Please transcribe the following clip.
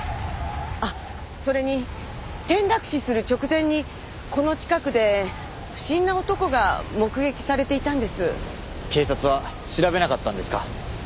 あっそれに転落死する直前にこの近くで不審な男が目撃されていたんです。警察は調べなかったんですか？